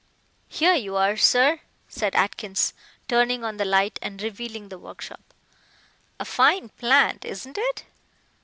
"Here you are, sir," said Atkins, turning on the light and revealing the workshop. "A fine plant, isn't it?"